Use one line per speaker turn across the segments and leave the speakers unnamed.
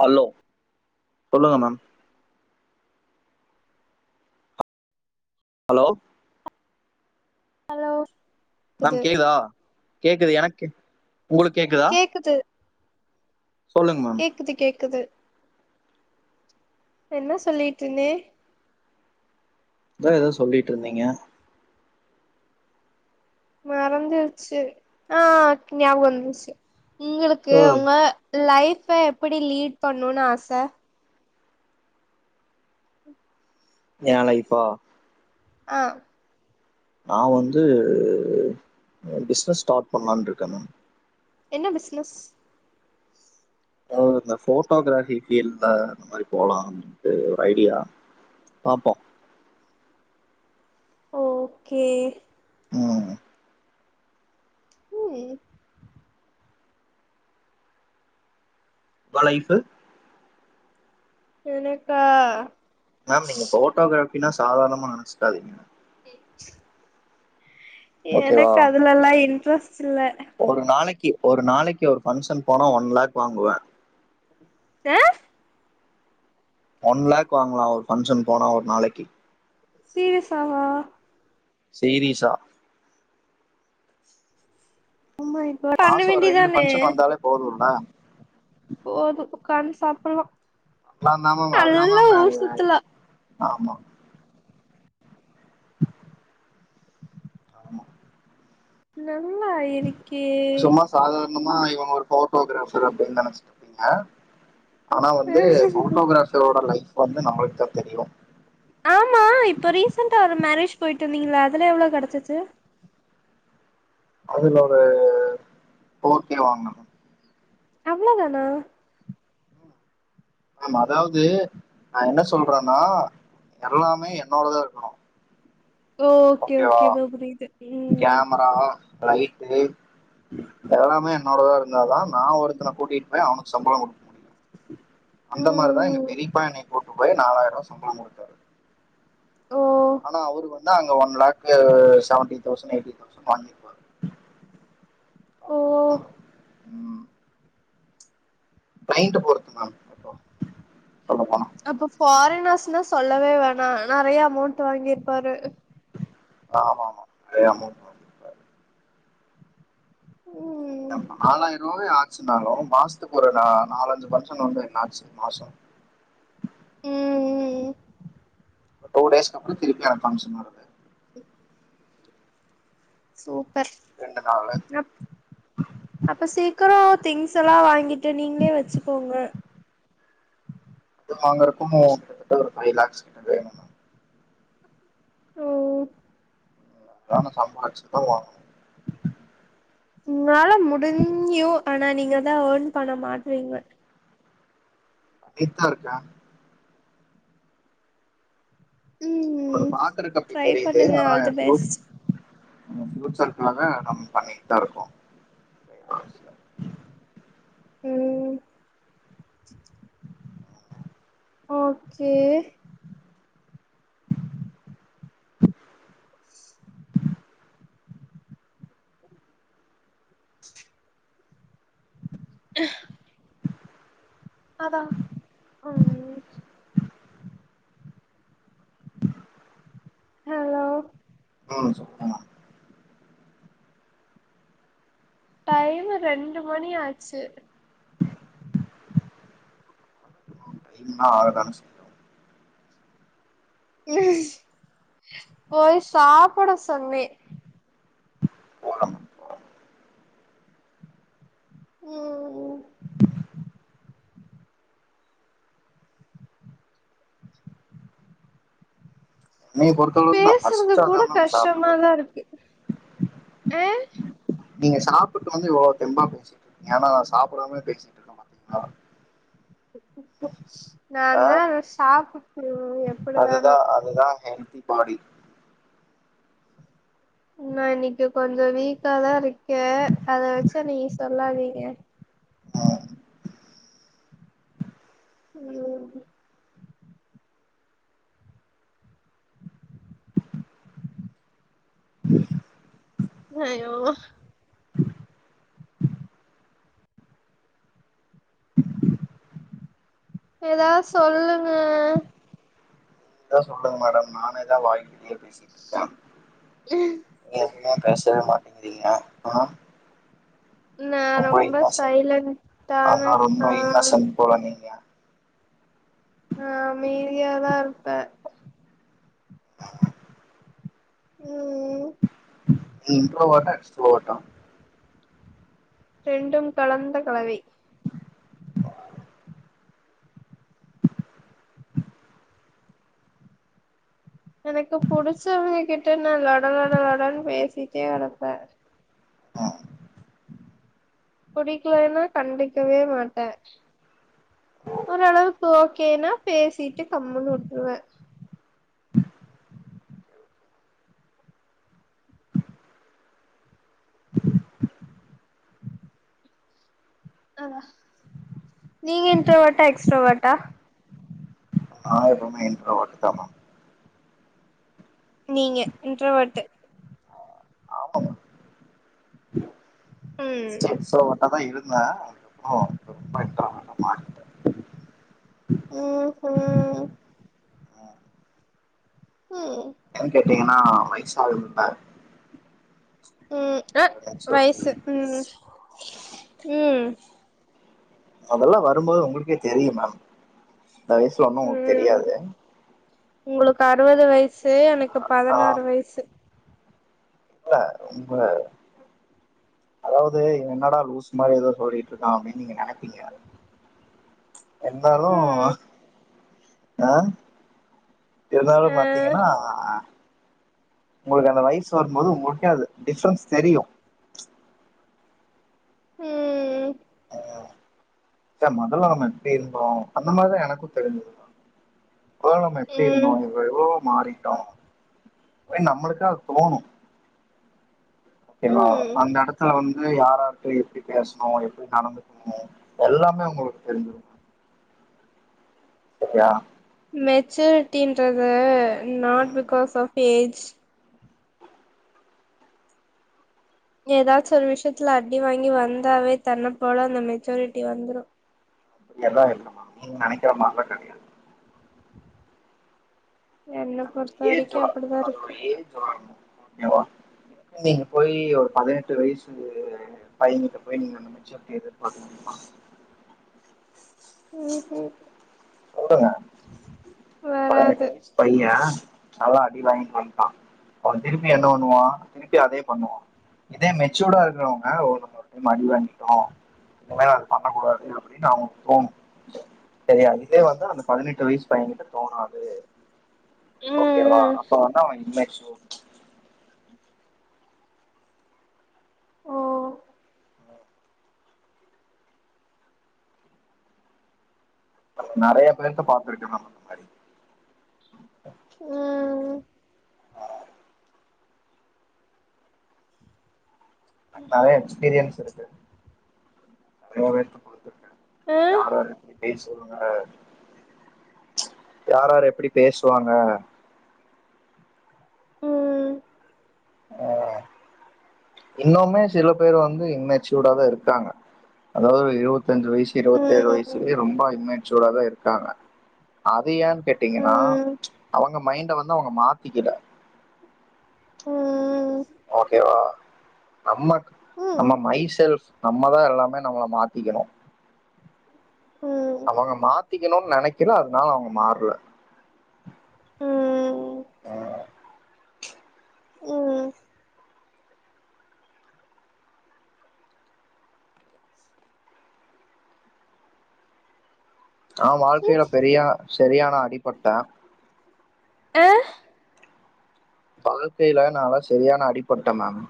Hello சொல்லுங்க ma'am hello
hello
ma'am
குது
கேக்குதா கேக்குது எனக்கு உங்களுக்கு கேக்குதா
கேக்குது
சொல்லுங்க மேம்
கேக்குது கேக்குது என்ன சொல்லிட்டு இருந்தே
அதான் ஏதாவ சொல்லிட்டு இருந்தீங்க
மறந்துருச்சு ஆஹ் ஞாப வந்தச்சு உங்களுக்கு
ஓ
உங்க லைஃப் எப்படி லீட் பண்ணும்னு ஆசை
நளை இப்போ
ஆஹ்
நான் வந்து பிசனஸ் ஸ்டார்ட் பண்ணலான்னு இருக்கேன் மேம்
என்ன பிசினஸ்
இந்த போட்டோகிராஃபி ஃபீல்டல இந்த மாரி போலாம்ட்டு ஒரு ஐடியா பாப்போம்
ஓகே
ஹ்ம்
உம்
வளையுது
எனக்கா
மேம் நீங்க போட்டோகிராபினா சாதாரணமா நினைச்சுக்காதீங்க ஓகேவா
எனக்கு அதுல எல்லாம் இன்ட்ரெஸ்ட் இல்ல
ஒரு நாளைக்கு ஒரு நாளைக்கு ஒரு பங்க்ஷன் போனா ஒன் லேக் வாங்குவேன்
ஏஹ.
ஒன் லேக் வாங்கலாம் ஒரு பங்க்ஷன் போனா ஒரு நாளைக்கு
சீரியஸாவா
சீரியஸா
ஓ மை காட் பண்ண
மாசம் ஒரு ரெண்டு
வேண்டியதானே
பஃபங்க்ஷன் வந்தாலே போதும்ல
போது உட்கார்ந்து சாப்பிடுலாம்
ஆஹ ஆாமமா ஆாமமா ஆமா ஆமா.
நல்லா இருக்கே
இவன் ஒரு போட்டோகிராஃபர் அப்படின்னு நினைச்சிட்டு இருப்பீங்க ஆனா வந்து போட்டோகிராபரோட லைஃப் வந்து நம்மளுக்குதான் தெரியும்
ஆமா இப்போ ரீசெண்டா ஒரு மேரேஜ் போயிட்டு இருந்தீங்களா அதுல எவ்வளோ கிடைச்சு
அதுல ஒரு போர் கே வாங்க
அவ்வளோ தானா
ஆமா அதாவது நான் என்ன சொல்றேனா எல்லாமே என்னோடதான் இருக்கணும்
ஓகே
ஓகேவா
ஓகே இப்ப புரியுது ம்
கேமரா லைட்டு எல்லாமே என்னோடதான் இருந்தாதான் நான் ஒருத்தனை கூட்டிட்டு போய் அவனுக்கு சம்பளம் கொடுக்க முடியும்
[unintelligible]
அந்த மாதிரிதான் எங்க
ம்
பெரியப்பா என்னை போட்டு போய் நாலாயிரம் ரூபாய் சம்பளம் கொடுத்தாரு
ஓ
ஆனா அவரு வந்து அங்க one lakh seventy thousand eighty thousand வாங்கி இருப்பார்
ஓ.
கிளையன்ட் போறது மாம் [unintelligible]
அப்ப பாரினர்ஸ்னா சொல்லவே வேணாம் நிறைய அமவுண்ட் வாங்கிருப்பாரு
ஆமா ஆமாமா.
ம்
[unintelligible] [unintelligible] மாசத்துக்கு ஒரு நாலஞ்சு பங்க்ஷன் வந்து என்ன ஆச்சு மாசம்
உம் உம்.
ஒரு டூ டேஸ்க அப்புறம் திருப்பி பங்க்ஷன் வருது
உஹ. சூப்பர்
ரெண்டு நாள்
அ அப்ப சீக்கிரம் திங்ஸ் எல்லாம் வாங்கிட்டு நீங்களே வச்சுக்கோங்க
வாங்க இருக்க கிட்டத்தட்ட ஒரு ஃபைவ் லாக்ஸ் கிட்ட வேணும்
ம்
அதான சம்பாதிச்சுதான் வாங்கணும்.
உங்களால முடிஞ்சும் ஆனா நீங்க தான் ஏர்ன் பண்ண மாட்டறீங்க
பண்ணிட்டு தான் இருக்க
ம்
உங்களுக்கு பாக்குறதுக்கு அப்படி
ட்ரை
தெரியுது
பண்ணுங்க
ஆனா
ஆல் தி
என்
பெஸ்ட்
[unintelligible] பியூச்சர்கக்காக நம்ம பண்ணிட்டு தான் இருக்கோம்
உம். ஓகே. [unintelligible] அதான் உஹம். ஹலோ.
ஹ சொல்லுங்கம்மா
டைம் ரெண்டு மணி ஆச்சு
இன்னா ஆறுதானு சொல்ல
உம் போய் சாப்பிட சொன்னே
போற
ஹம்.
என்னைய பொறுத்தளவுக்கு நா
பேசுறது
பசிச்சா
கூட
தா மேம் சாப்புடுவே
கஷ்டமாதான் இருக்கு ஹம்
நீங்க சாப்புட்டு வந்து இவ்ளோ தெம்பா பேசிட்டுருக்கீங்க ஏனா சாப்படாம பேசிட்டுருக்கோ பாத்தீங்ளா
நான் தா சாப்புட்டு எப்பிடிதானோ
தி பாடி
நா இன்னிக்கு கொஞ்சோ வீக்காதாருக்கே அத வெச்சு நீ சொல்லாதீங்க
ஆ
ம் ஹயோ ஏதா சொல்லுங்க
நீங்கதா சொல்லுங்க மேடம் நானேதா வாய்கிலிய பேசிட்ருக்கே எதுமே பேசவே மாட்டிங்கிறீங்க ஆ
நா
ரொம்ப இன்னசன்ட்
சைலன்டான
அத்தா ரொம்ப
ஆ
இன்னசன்ட் போல நீங்க
நா அமைதியாதாருப்பே
ஆ
ம் ம்
நீ இன்ரோ வோட்டா எக்ஸ்ட்ரோ வோட்டா
ரெண்டும் கலந்த கலவை எனக்கு புடிச்சவ்ங்ககிட்ட நா லொடலொடலொடன் பேசிட்டே கெடப்பே.
ம்
புடிக்லேனா கண்டுக்கவே மாட்டே. ஓரளவுக் ஓக்கேனா பேசிட்டு கம்முன்னு உட்ருவ. அவா நீங்க இன்ட்ராவோட்டா, எக்ஸ்ட்ரோவோட்டா?
நாங்க எப்போவுமே இன்ட்ரோவோட்டுதான
நீங்க இன்ட்ரோவட்டு
ஆமாங்க ஃபஸ்டு
ம்
எக்ஸ்ட்ரோவோர்ட்டாதா இருந் த இப்போ [inaudible] நா மாறிட்ட
ம் ஹும்
ஆ
ம்
ஏன் கேட்டீங்கனா வய்சாகுதுல்ல.
ம் அ
சொல்லி
வய்சு ம் ம்
அதல்லா வரும்போது உங்களுக்கே தெரியும் மேம். இந்த வயசுல ஒன்னு உங்களுக் தெரியாது.
உங்குளுக்கு அறுவது வய்சு எனக்கு பதனாறு வய்சு
ல்ல உண்ம அதாவ்து என்னடா லூசு மாரி எதோ சொல்லிக்ட்ருக்கா அப்டின் நீங்க நெனப்பீங்க. எந்தாலு
ம்
ஆ இருந்தாலு
ஆ
பாத்தீங்கன்னா உங்களுக்கு அந்த வய்சு வரும்போது உங்ளுக்கே அது டிஃப்ரன்ஸ் தெரியு
ம்
ஆ ச மொதல்ல நம்ம எப்டி இருந்தோ அந்த மாரிதா எனக்கு தெரிஞ்சுக்கனு. கொள நம்ம
ம்
எப்டிருந்தோ இப்ப எவ்ளோவோ மாறி டோ வென் நம்மளுக்கு அது தோணு கேங்ளா
ம்
அந்த எடத்துல வந் து யாரார்ட்ட எப்டி பேசணு எப்டி நடந்துக்குணு எல்லாமே உங்குளுக்கு தெரிஞ்சுரு [unintelligible]
மெச்சூர்ட்டின்றது நாட்
ம்
பிகாஸ் ஆஃப் ஏஜ் எதாச்சு ஒரு விஷயத்துல அடி வாங்கி வந்தாவே தன்ன போல அந்த மெச்சோரிட்டி வந்துரு
அப்டியல்லா இல்லம்மா நீங்க நெனைக்குற மாரிலா கெடையாது.
என்ன
அது ஒரு
பொறுத்த
ஏஜ்
வரைக்கு
வா
அப்டிதா
அது
இருக்கு
ஒரு ஏஜ் வரணு ஓகே வா நீங்க போய் ஒரு பதினெட்டு வயசு பையங்கிட்ட போய் நீங்க அந்த மெச்சூரிட்டி எதிர்பார்க்க முடியுமா?
ம்ஹும்
பதுனெட்டு வயசு பைய நல்லா அடி வாங்கிட்டு வந்ட்டா அவன் திருப்பி என்ன பண்ணுவா திருப்பி அதே பண்ணுவா இதே மெச்சூர்டா இருக்குறவங்க ஒரு டைம் அடி வாங்கிட்டோ இனிமேல அது பண்ணக் கூடாது அப்புடின்னு அவனுக்கு தோணு செரியா இதே வந்து அந்த பதினெட்டு வயசு பயங்கிட்ட தோணாது ஓகேவா
ம் ம்
அப்ப வந்து அவன் இம்மெச்சூர்
ஓ
நம்ம நெறைய பேருக்கு பாத்துருக்க நம்ம இந்த மாரி
ம்
நெறைய எக்ஸ்பீரியன்ஸ் இருக்கு நெறைய பேத்து குடுத்துருக்கே
ஆ
யாரார் எப்டி பேசுவாங்க யாரார் எப்படி பேசு சுவாங்க
ம் [inaudible]
இன்னமுமே சில பேர் வந்து இம்மெச்சூடாதா இருக்காங்க அதாவது இருவது தஞ்சு வயசு
ம்
இருவத்தேழு வயசுலயே ரொம்ப இம்மெச்சூடாதா இருக்காங்க அது ஏன்னு கேட்டீங்கன்னா
ம்
அவுங்க மைண்ட வந்து அவுங்க மாத்திக்கில
ம் ம்
ஓகேவா நம்மக் நம்ம
ம்
மைசெல்ப் நம்மதா எல்லாமே நம்மள மாத்திக்கணு
ம்
அவங்க மாத் திக்கனுன்னு நெனைக்கல அதுனால அவுங்க மாறல
ம்
ஆ
ம்
ஆ வாழ்க்கையில பெரியா செரியானா அடிப்பட்டே
ஆ
வாழ்க்கையில நால செரியான அடிப்பட்டே நானு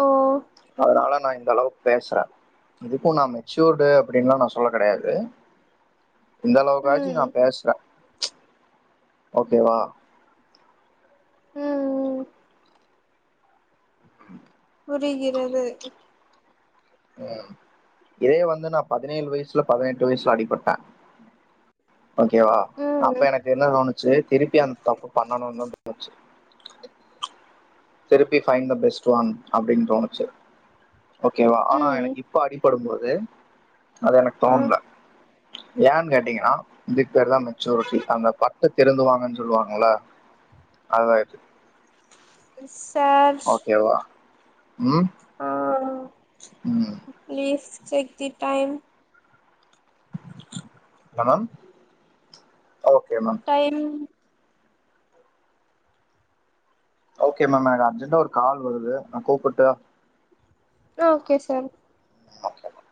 ஓ ஓ
அதுனால நா இந்த அளவுக்கு பேசுறே இப்போ நா மெச்சூர்டு அப்டின்லா நா சொல்ல கெடையாது இந்த அளவுக்காச்சி நா
ம்
பேசுறே ஓகேவா
ம் ம்
அம்
புரிகிறது
ம் இதே வந்து நா பதினேழு வயசுல பதினெட்டு வயசுல அடிப்பட்டே
[inaudible]
ஓகேவா
ம்
அப்ப எனக்கு என்ன தோணுச்சு திருப்பி அந்த தப்பு பண்ணணுந்தா தோணுச்சு திருப்பி பைண்ட் த பெஸ்ட் ஒன் அப்டின்னு தோணுச்சு ஓகேவா ஆனா
ம்
எனக்கு இப்ப அடிபடும்போது அது எனக்கு
ஆ
தோண்ல ஏன்னு கேட்டீங்கன்னா இதுக்கு பேருதா மெச்சூரிட்டி அந்த பட்டு திறந்துவாங்கன்னு சொல்லுவாங்கல்ல அதா இது
சார்
ஓகேவா ம்
ஆ
ம்
செக்தி time
madam
time
okay ma'am எனக்கு அர்ஜெண்டா ஒரு கால் வருது நா கூப்டட்டா
ஆ ஓகே சார்
ஓகே மேம்